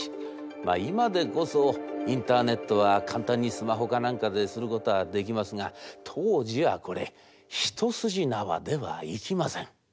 まあ今でこそインターネットは簡単にスマホか何かですることはできますが当時はこれ一筋縄ではいきません。